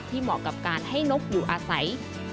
เหมาะกับการให้นกอยู่อาศัย